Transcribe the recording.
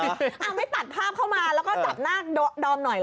ไม่ตัดภาพเข้ามาแล้วก็จับหน้าดอมหน่อย